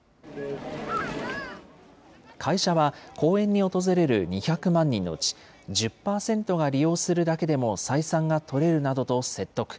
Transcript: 会社は、公園に訪れる２００万人のうち、１０％が利用するだけでも採算が取れるなどと説得。